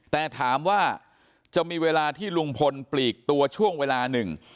แต่ถามว่าจะมีเวลาที่ลุงพลปลีกตัวช่วงเวลาหนึ่ง